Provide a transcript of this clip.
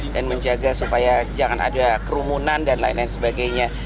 dan menjaga supaya jangan ada kerumunan dan lain lain sebagainya